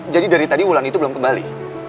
jadi dari tadi wulan itu belum kembali